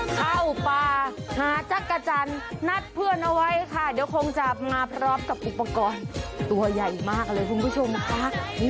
เข้าป่าหาจักรจันทร์นัดเพื่อนเอาไว้ค่ะเดี๋ยวคงจะมาพร้อมกับอุปกรณ์ตัวใหญ่มากเลยคุณผู้ชมนะคะ